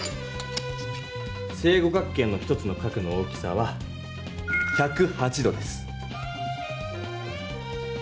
正五角形の１つの角の大きさは１０８度です。